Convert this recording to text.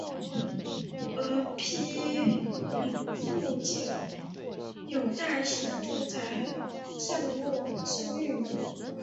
而毗邻附近有大型住宅项目升御门。